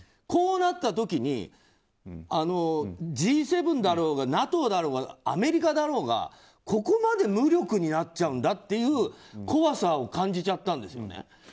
こうなった時にＧ７だろうがＮＡＴＯだろうがアメリカだろうが、ここまで無力になっちゃうんだという怖さを感じちゃったんですよね。